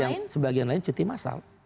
yang sebagian lain cuti masal